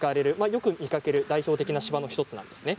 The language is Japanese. よく見かける代表的な芝の１つです。